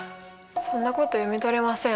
そんなこと読み取れません。